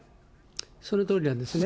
そのとおりなんですね。